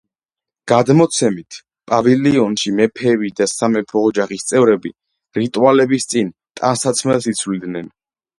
გადმოცემით, პავილიონში მეფეები და სამეფო ოჯახის წევრები რიტუალების წინ ტანსაცმელს იცვლიდნენ.